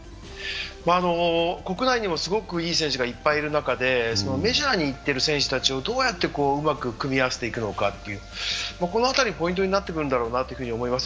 国内にもすごくいい選手がいっぱいいる中でメジャーにいってる選手たちをどううまく組み合わせていくのかというこの辺りがポイントになってくるんだろうなと思います。